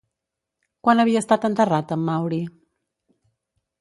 Quan havia estat enterrat en Mauri?